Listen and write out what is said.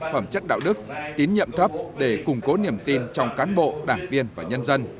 phẩm chất đạo đức tín nhiệm thấp để củng cố niềm tin trong cán bộ đảng viên và nhân dân